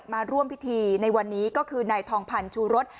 มาร่วมพิธีในวันนี้ก็คือนายทองพันธ์ชูรส